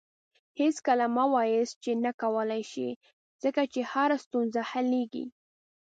هېڅکله مه وایاست چې نه کولی شې، ځکه چې هره ستونزه حلیږي.